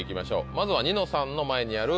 まずはニノさんの前にある。